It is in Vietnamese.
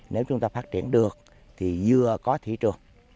nếu chúng ta phát triển được thì vừa có thị trường